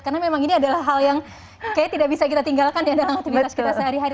karena memang ini adalah hal yang kayaknya tidak bisa kita tinggalkan dalam aktivitas kita sehari hari